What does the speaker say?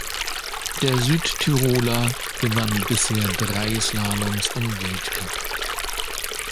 Der Südtiroler gewann bisher drei Slaloms im Weltcup.